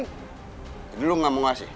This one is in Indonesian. jadi lu gak mau kasih